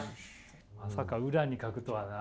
まさか裏に書くとはな。